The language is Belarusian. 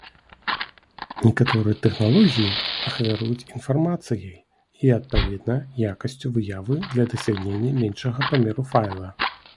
Некаторыя тэхналогіі ахвяруюць інфармацыяй і, адпаведна, якасцю выявы для дасягнення меншага памеру файла.